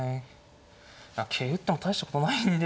桂打っても大したことないんで。